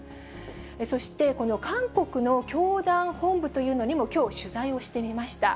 そして韓国の教団本部というのにも、きょう、取材をしてみました。